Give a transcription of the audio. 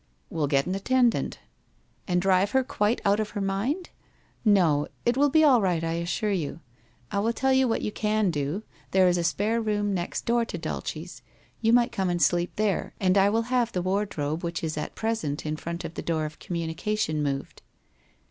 * We'll get an attendant.' ' And drive her quite out of her mind ? No, it will be all right I assure you. I will tell you what you can do. There is a spare room next door to Dulce's. You might come and sleep there, and I will have the wardrobe which is at present in front of the door of communication moved.'